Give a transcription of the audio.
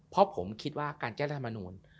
พอผมว่าการแก้รัฐมนุษย์